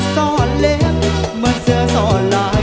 ซ่อนเล็กเหมือนเสือซ่อนหลาย